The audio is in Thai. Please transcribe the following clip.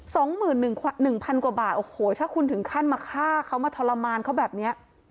สองหมื่นหนึ่งหนึ่งพันกว่าบาทโอ้โหถ้าคุณถึงขั้นมาฆ่าเขามาทรมานเขาแบบเนี้ย